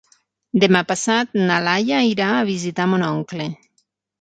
Demà passat na Laia irà a visitar mon oncle.